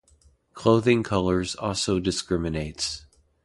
Clothing colors also discriminates.